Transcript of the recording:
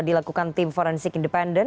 dilakukan tim forensik independen